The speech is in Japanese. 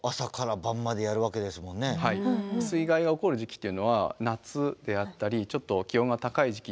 水害が起こる時期っていうのは夏であったりちょっと気温が高い時期